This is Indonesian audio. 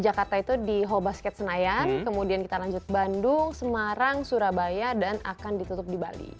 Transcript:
jakarta itu di hall basket senayan kemudian kita lanjut bandung semarang surabaya dan akan ditutup di bali